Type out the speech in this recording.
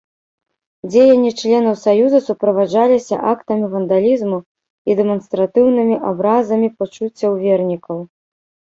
Дзеянні членаў саюза суправаджаліся актамі вандалізму і дэманстратыўнымі абразамі пачуццяў вернікаў.